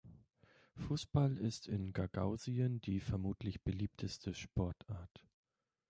Fußball ist in Gagausien die vermutlich beliebteste Sportart.